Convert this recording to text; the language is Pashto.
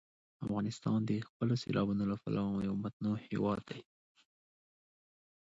افغانستان د خپلو سیلابونو له پلوه یو متنوع هېواد دی.